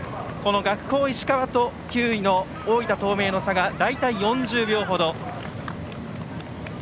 学法石川と９位の大分東明の差が大体４０秒程。